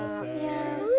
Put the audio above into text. すごい。